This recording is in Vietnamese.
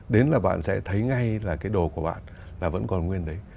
đến là bạn sẽ thấy ngay là cái đồ của bạn là vẫn còn nguyên đấy